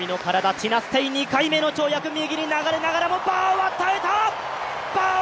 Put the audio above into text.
２回目の跳躍、右に流れながらもバーは耐えた！